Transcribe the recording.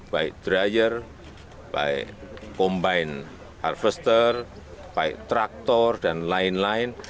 baik dryer baik combine harvester baik traktor dan lain lain